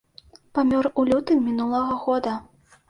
Памёр у лютым мінулага года.